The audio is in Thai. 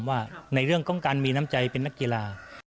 ว่าในเรื่องของการมีน้ำใจเป็นนักกีฬา